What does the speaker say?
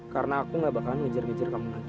karena aku gak bakalan ngejar ngejar kamu lagi